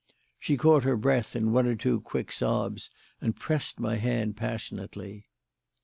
She caught her breath in one or two quick sobs and pressed my hand passionately.